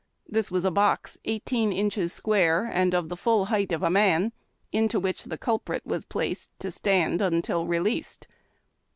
This was a box eigli teen inches square, and of the full height of a man, into which the cul prit was placed to stand until re leased.